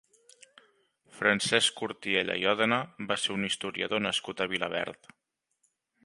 Francesc Cortiella i Òdena va ser un historiador nascut a Vilaverd.